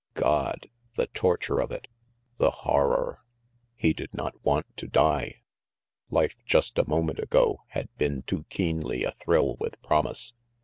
God! The torture of it! The horror! He did not want to die. Life, just a moment ago, had been too keenly athrill with promise.